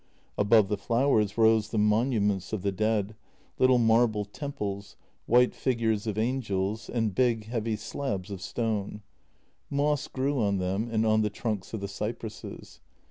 Above the flowers rose the monuments of the dead, little marble temples, white figures of angels, and big, heavy slabs of stone. Moss grew on them and on the trunks of the cypresses.